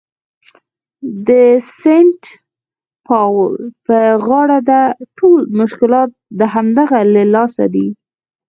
د سینټ پاول په غاړه ده، ټول مشکلات د همدغه له لاسه دي.